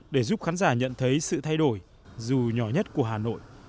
để giúp khán giả nhận thấy sự thay đổi dù nhỏ nhất của hà nội